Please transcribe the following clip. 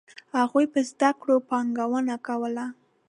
هغوی پر زده کړو پانګونه کوله.